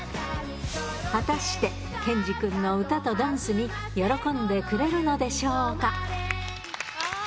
果たして、ケンジくんの歌とダンスに喜んでくれるのでしょうか。